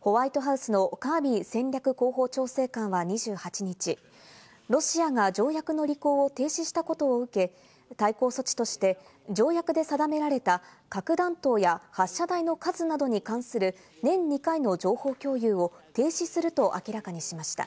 ホワイトハウスのカービー戦略広報調整官は２８日、ロシアが条約の履行を停止したことを受け、対抗措置として条約で定められた核弾頭や発射台の数などに関する年２回の情報共有を停止すると明らかにしました。